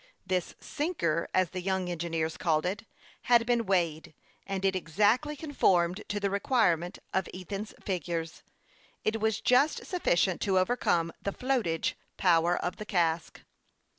This " sinker," as the young engineers called it, had been weighed, and it exactly conformed to the requirement of Ethan's figures ; it was just sufficient to overcome the flotage power of the cask.